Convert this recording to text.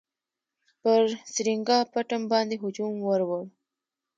پر سرینګا پټم باندي هجوم ورووړ.